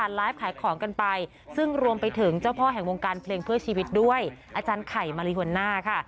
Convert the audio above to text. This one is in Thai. ไลฟ์ขายของกันไปซึ่งรวมไปถึงเจ้าพ่อแห่งวงการเพลงเพื่อชีวิตด้วยอาจารย์ไข่มาริวาน่าค่ะ